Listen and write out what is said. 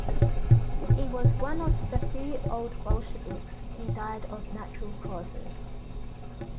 He was one of the few Old Bolsheviks who died of natural causes.